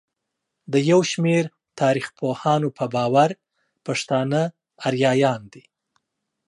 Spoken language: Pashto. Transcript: د يوشمېر تاريخپوهانو په باور پښتانه اريايان دي.